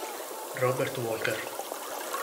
Robert Walker